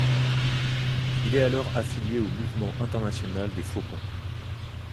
Il est alors affilié au Mouvement international des Faucons.